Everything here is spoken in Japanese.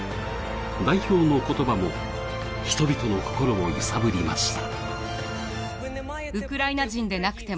代表の言葉も人々の心を揺さぶりました。